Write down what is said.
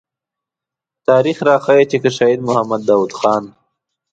تاريخ راښيي چې که شهيد محمد داود خان.